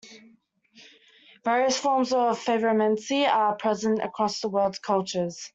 Various forms of favomancy are present across the world's cultures.